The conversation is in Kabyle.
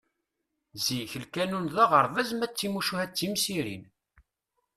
Zik, lkanun d aɣerbaz ma d timucuha d timsirin.